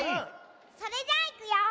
それじゃあいくよ。